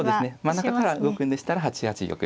真ん中から動くんでしたら８八玉。